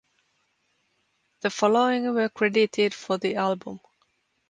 The following were credited for the album.